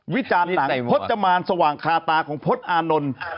วิจารณ์หนังพจมานสว่างคาตาของพจน์อานนท์